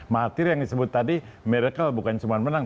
mahathir yang disebut tadi miracle bukan cuma menang